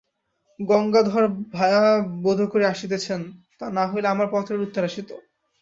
গঙ্গাধর-ভায়া বোধ করি আসিতেছেন, না হইলে আমার পত্রের উত্তর আসিত।